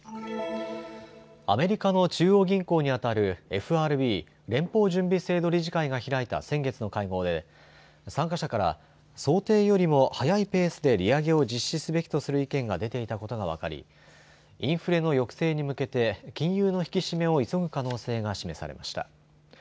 アメリカの中央銀行にあたるＦＲＢ・連邦準備制度理事会が開いた先月の会合で参加者から想定よりも速いペースで利上げを実施すべきとする意見が出ていたことが分かりインフレの抑制に向けて金融の引き締めを急ぐ可能性が示されました。